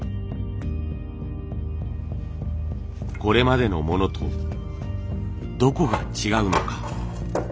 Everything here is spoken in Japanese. これまでのものとどこが違うのか。